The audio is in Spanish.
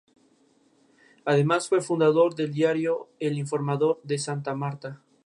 Fue identificado por BirdLife International como un Área Importante para las Aves.